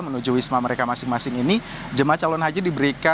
menuju wisma mereka masing masing ini jemaah calon haji diberikan